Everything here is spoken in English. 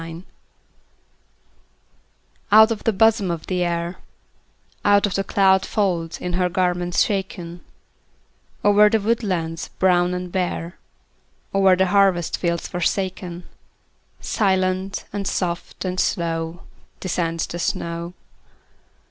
SNOW FLAKES Out of the bosom of the Air, Out of the cloud folds of her garments shaken, Over the woodlands brown and bare, Over the harvest fields forsaken, Silent, and soft, and slow Descends the snow.